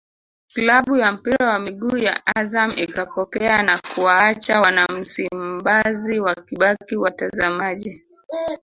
klabu ya mpira wa miguu ya Azam ikapokea na kuwaacha wana Msimbazi wakibaki watazamaji